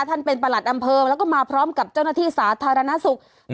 ท่านเป็นประหลัดอำเภอแล้วก็มาพร้อมกับเจ้าหน้าที่สาธารณสุข